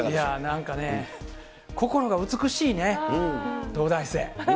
なんかね、心が美しいね、東大生。